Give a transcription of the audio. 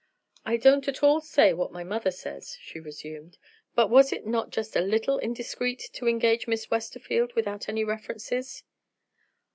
"I don't at all say what my mother says," she resumed; "but was it not just a little indiscreet to engage Miss Westerfield without any references?"